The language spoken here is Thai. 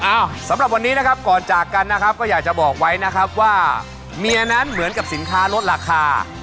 สำหรับวันนี้นะครับก่อนจากกันนะครับก็อยากจะบอกไว้นะครับว่าเมียนั้นเหมือนกับสินค้าลดราคา